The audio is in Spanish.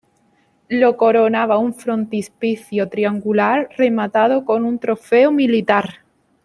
Lo coronaba un frontispicio triangular rematado con un trofeo militar.